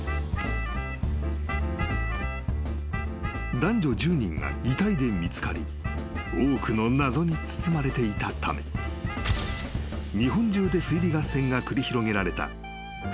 ［男女１０人が遺体で見つかり多くの謎に包まれていたため日本中で推理合戦が繰り広げられた不可解な火災］